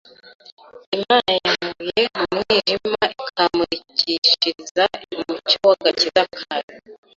Imana yankuye mu mwijima, ikamurikishiriza umucyo w’agakiza kayo.